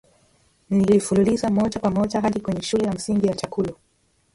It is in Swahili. Nilifululiza moja kwa moja hadi kwenye shule ya msingi ya chakulo